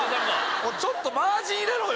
ちょっとマージン入れろよ！